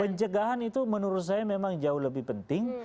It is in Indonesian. pencegahan itu menurut saya memang jauh lebih penting